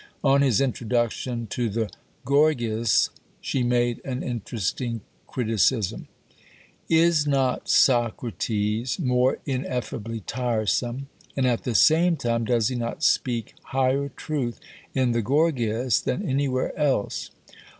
On his Introduction to the Gorgias, she made an interesting criticism: Is not Socrates more ineffably tiresome, and at the same time does he not speak higher truth, in the Gorgias than anywhere else?